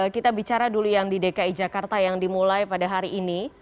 kita bicara dulu yang di dki jakarta yang dimulai pada hari ini